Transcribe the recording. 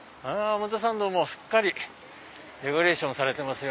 表参道もすっかりデコレーションされてますよ。